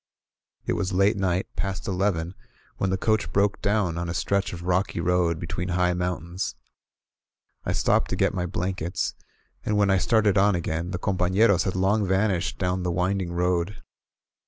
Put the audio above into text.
••." It was late night — ^past eleven — ^when the coach broke down on a stretch of rocky road between high moim tains. I stopped to get my blankets; and when I started on again, the compafieros had long vanished down the winding road.